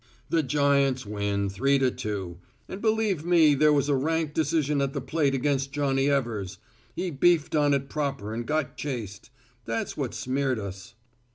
"The Giants win, three to two, and believe me there was a rank decision at the plate against Johnny Evers. He beefed on it proper and got chased. That's what smeared us."